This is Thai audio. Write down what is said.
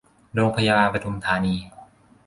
โรงพยาบาลปทุมธานี